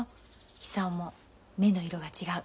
久男も目の色が違う。